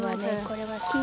これは。